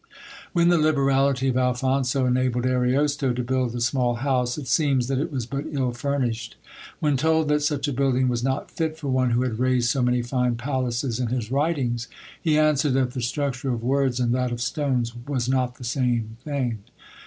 When the liberality of Alphonso enabled Ariosto to build a small house, it seems that it was but ill furnished. When told that such a building was not fit for one who had raised so many fine palaces in his writings, he answered, that the structure of words and that of stones was not the same thing.